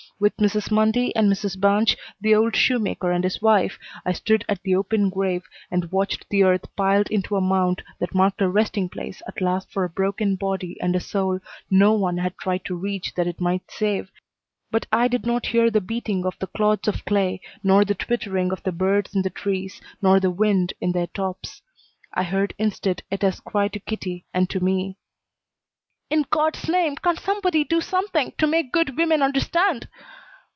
With Mrs. Mundy and Mrs. Banch, the old shoemaker and his wife, I stood at the open grave and watched the earth piled into a mound that marked a resting place at last for a broken body and a soul no one had tried to reach that it might save, but I did not hear the beating of the clods of clay, nor the twittering of the birds in the trees, nor the wind in their tops. I heard instead Etta's cry to Kitty and to me: "In God's name, can't somebody do something to make good women understand!"